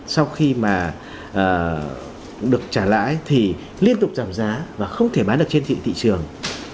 sau khi mà được trả lãi thì liên tục giảm giá và không thể bán được trên thị trường